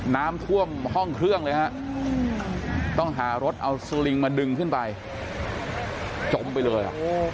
น้ำท่วมห้องเครื่องเลยฮะต้องหารถเอาสลิงมาดึงขึ้นไปจมไปเลย